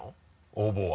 応募は。